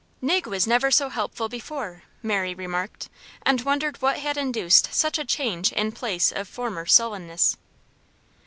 "Nig was never so helpful before," Mary remarked, and wondered what had induced such a change in place of former sullenness.